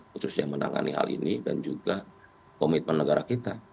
khususnya menangani hal ini dan juga komitmen negara kita